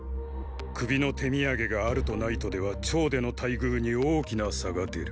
首の手土産があるとないとでは趙での待遇に大きな差が出る。